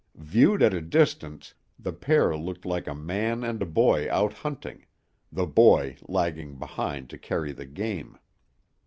Viewed at a distance, the pair looked like a man and a boy out hunting; the boy lagging behind to carry the game.